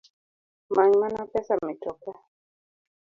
Manymana pesa mitoka